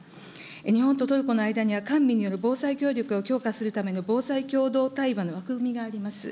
日本とトルコの間には、官民による防災協力を強化するための防災きょうどう対話の枠組みがあります。